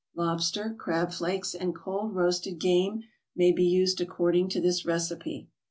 Lobster, crab flakes and cold roasted game may be used according to this recipe.